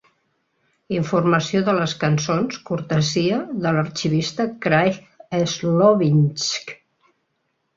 Informació de les cançons cortesia de l'arxivista Craig Slowinski.